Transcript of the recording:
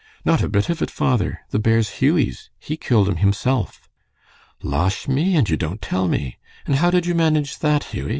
"Not a bit of it, father. The bear's Hughie's. He killed him himself." "Losh me! And you don't tell me! And how did you manage that, Hughie?"